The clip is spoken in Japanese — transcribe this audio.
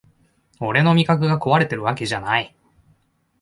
俺の味覚がこわれてるわけじゃない